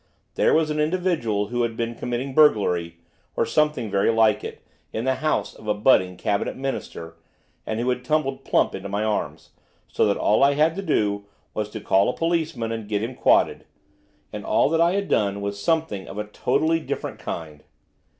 Here was an individual who had been committing burglary, or something very like it, in the house of a budding cabinet minister, and who had tumbled plump into my arms, so that all I had to do was to call a policeman and get him quodded, and all that I had done was something of a totally different kind.